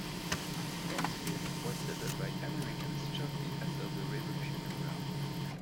Painesville was settled by Americans shortly after the Revolutionary War.